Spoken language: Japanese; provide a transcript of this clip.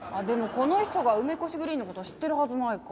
この人が梅越グリーンの事を知ってるはずないか。